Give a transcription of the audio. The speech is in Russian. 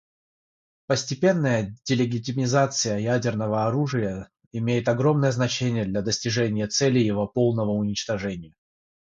Постепенная «делегитимизация» ядерного оружия имеет огромное значение для достижения цели его полного уничтожения.